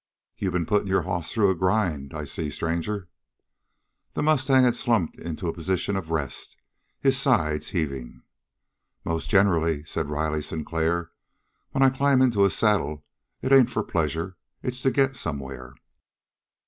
"You been putting your hoss through a grind, I see, stranger." The mustang had slumped into a position of rest, his sides heaving. "Most generally," said Riley Sinclair, "when I climb into a saddle it ain't for pleasure it's to get somewhere."